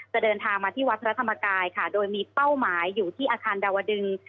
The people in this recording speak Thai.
เดินทางมาที่วัดพระธรรมกายค่ะโดยมีเป้าหมายอยู่ที่อาคารดาวดึง